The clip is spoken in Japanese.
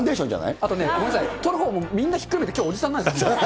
あとね、ごめんなさい、撮るほうもみんなひっくるめてきょう、おじさんなんですよ。